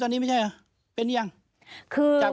ถ้าไม่ใช่เรียกบอกนะคะ